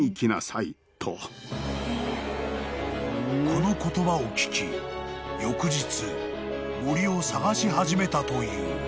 ［この言葉を聞き翌日森を捜し始めたという］